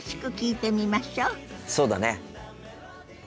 そうだね。